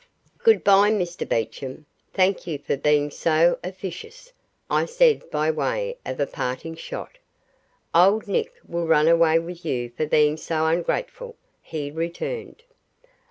"Good bye, Mr Beecham. Thank you for being so officious," I said by way of a parting shot. "Old Nick will run away with you for being so ungrateful," he returned.